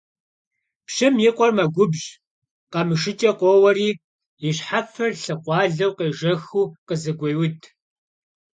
Пщым и къуэр мэгубжь, къамышыкӀэ къоуэри и щхьэфэр лъы къуалэр къежэхыу къызыгуеуд.